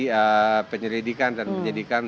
pada penyelidikan dan penyelidikan